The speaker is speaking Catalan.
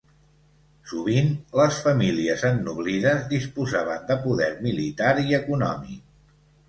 Sovint les famílies ennoblides disposaven de poder militar i econòmic.